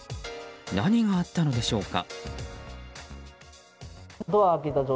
何があったのでしょうか。